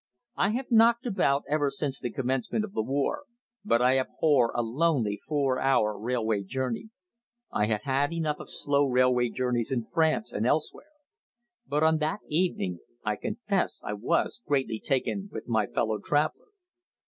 I have "knocked about" ever since the commencement of the war, but I abhor a lonely four hour railway journey. I had had enough of slow railway journeys in France and elsewhere. But on that evening I confess I was greatly taken with my fellow traveller.